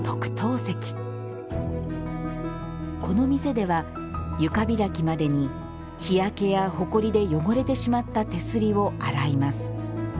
この店では床開きまでに日焼けやほこりで汚れてしまった手すりを洗います